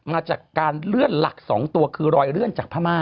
มาจากการเลื่อนหลัก๒ตัวคือรอยเลื่อนจากพม่า